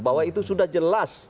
bahwa itu sudah jelas